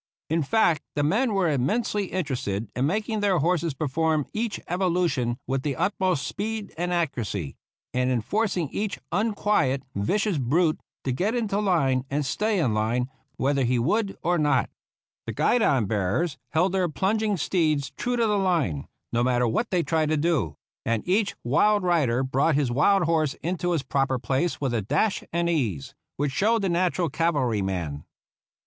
In fact, the men were immensely interested in mak ing their horses perform each evolution with the utmost speed and accuracy, and in forcing each unquiet, vicious brute to get into line and stay in line, whether he would or not. The guidon bearers held their plunging steeds true to the line, no matter what they tried to do ; and each wild rider brought his wild horse into his proper place with a dash and ease which showed the natural cavalryman.